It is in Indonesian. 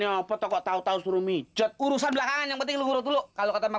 yaitu kok tahu tahu suruh micot urusan belakangan yang penting dulu kalau tapi